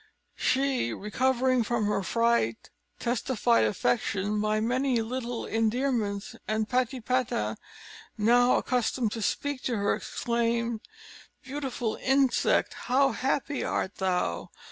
She, recovering from her fright, testified affection by many little endearments; and Patipata, now accustomed to speak to her, exclaimed: "Beautiful insect, how happy art thou!